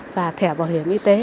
và thẻ bảo hiểm y tế